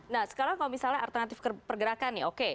nah sekarang kalau misalnya alternatif pergerakan nih oke